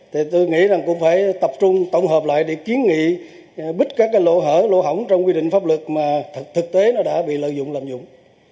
thì tôi nghĩ rằng cũng phải tập trung tổng hợp lại để kiến nghị bích các cái lỗ hở lỗ hỏng trong quy định pháp luật mà thực tế nó đã bị lợi dụng làm dụng